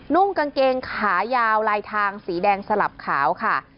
นุ่งกางเกงขายาวลายทางสีแดงสลับขาวค่ะ